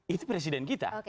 itu presiden kita